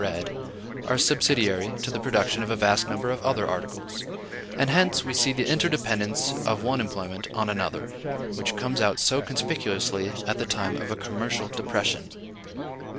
bread), are subsidiary to the production of a vast number of other articles; and hence we see the interdependence of one employment on another, which comes out so conspicuously at the time of a commercial depression.